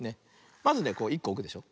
まずね１こおくでしょ。